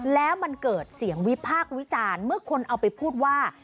แล้วมันเกิดเสียงวิพากษ์วิจารณ์เมื่อคนเอาไปพูดว่า